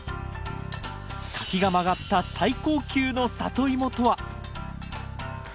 先が曲がった最高級のサトイモとは？